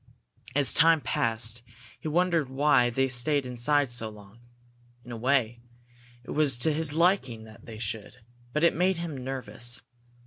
As time passed, he wondered why they stayed inside so long. In a way, it was to his liking that they should, but it made him nervous.